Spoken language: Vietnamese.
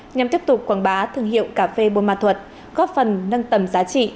nhằm tiếp tục quảng bá thương hiệu cà phê buôn ma thuật góp phần nâng tầm giá trị